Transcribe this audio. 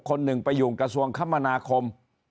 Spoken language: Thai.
คนหนึ่งไปอยู่กระทรวงคมนาคม